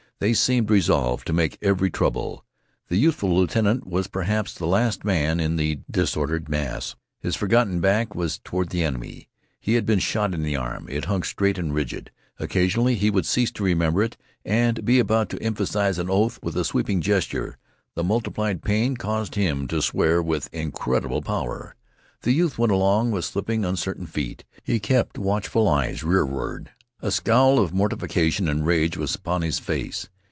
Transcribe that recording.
They seemed resolved to make every trouble. The youthful lieutenant was perhaps the last man in the disordered mass. His forgotten back was toward the enemy. He had been shot in the arm. It hung straight and rigid. Occasionally he would cease to remember it, and be about to emphasize an oath with a sweeping gesture. The multiplied pain caused him to swear with incredible power. The youth went along with slipping, uncertain feet. He kept watchful eyes rearward. A scowl of mortification and rage was upon his face.